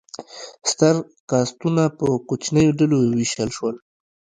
ستر کاستونه په کوچنیو ډلو وویشل شول.